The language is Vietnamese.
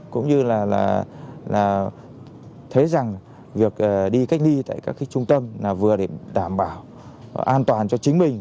cũng như là thấy rằng việc đi cách ly tại các trung tâm là vừa để đảm bảo an toàn cho chính mình